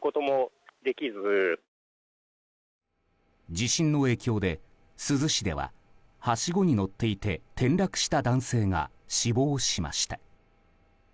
地震の影響で、珠洲市でははしごに乗っていて転落した男性が死亡しました。